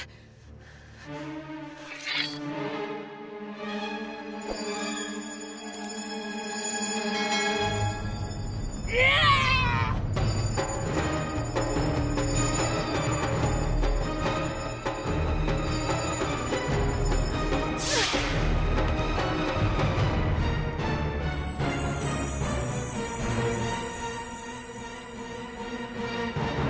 aku belum menyerah